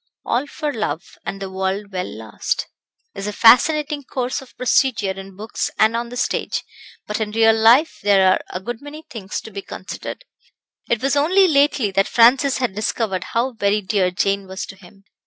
"All for love, and the world well lost," is a fascinating course of procedure in books and on the stage, but in real life there are a good many things to be considered. It was only lately that Francis had discovered how very dear Jane was to him.